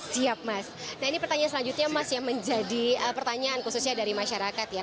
siap mas nah ini pertanyaan selanjutnya mas yang menjadi pertanyaan khususnya dari masyarakat ya